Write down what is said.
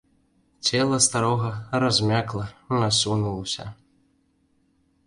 Цела старога размякла, асунулася.